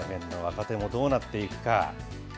若手もどうなっていくか。